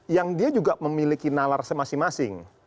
yang dia juga memiliki nalarnya masing masing